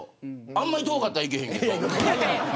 あんまり遠かったら行けへんけど。